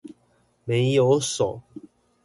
沒有手